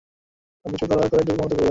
আপনি চুল কালার করে যুবকের মতো ঘুরে বেড়ান।